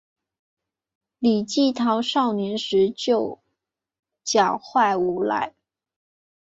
李继韬少年时就狡狯无赖。